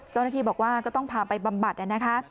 เจ้าหน้าที่บอกว่าก็ต้องพาไปบำบัดนะคะ